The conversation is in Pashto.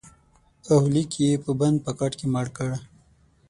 اولیک یې په بند پاکټ کې مړ کړ